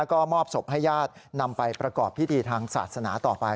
ก็มอบศพให้ญาตินำไปประกอบพิธีทางศาสนาต่อไป